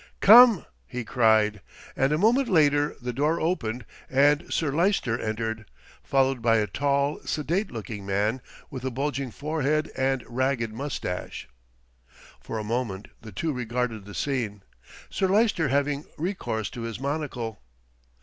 "Come," he cried, and a moment later the door opened and Sir Lyster entered, followed by a tall, sedate looking man with a bulging forehead and ragged moustache. For a moment the two regarded the scene, Sir Lyster having recourse to his monocle.